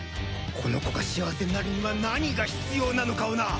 この子が幸せになるには何が必要なのかをな。